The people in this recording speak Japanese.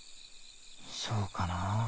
そうかなあ。